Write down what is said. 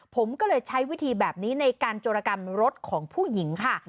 ผมก็เลยใช้วิธีแบบนี้ในการโจรกรรมรถของผู้หญิงค่ะ